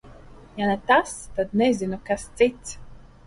Ja ne tas, tad nezinu, kas cits.